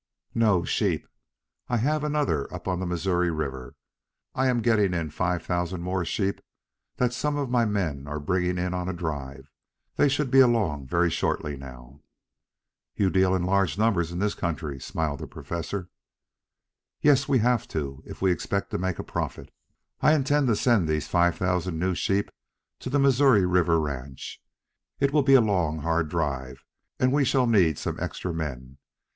"No, sheep. I have another up on the Missouri River. I am getting in five thousand more sheep that some of my men are bringing in on a drive. They should be along very shortly now." "You deal in large numbers in this country," smiled the Professor. "Yes, we have to if we expect to make a profit. I intend to send these five thousand new sheep to the Missouri River ranch. It will be a long, hard drive and we shall need some extra men.